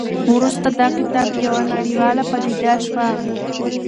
وروسته دا کتاب یوه نړیواله پدیده شوه.